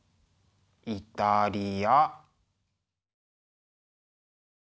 イタリア。